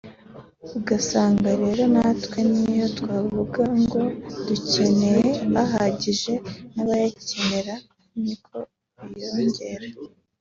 ugasanga rero natwe n’iyo twavuga ngo dufite ahagije n’abayakenera ni ko biyongera